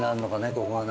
ここがね。